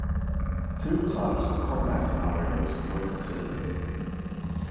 Two types of combat scenarios were considered.